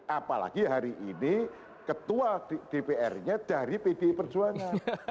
apalagi hari ini ketua dpr nya dari pdi perjuangan